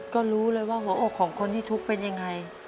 ก็รู้เลยว่าหัวอกของคนที่ทุกข์เป็นยังไง